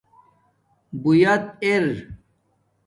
بیات اِر